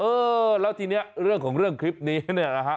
เออแล้วทีนี้เรื่องของเรื่องคลิปนี้เนี่ยนะฮะ